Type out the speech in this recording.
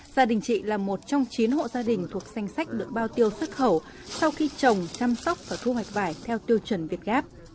gia đình chị là một trong chín hộ gia đình thuộc danh sách được bao tiêu xuất khẩu sau khi trồng chăm sóc và thu hoạch vải theo tiêu chuẩn việt gáp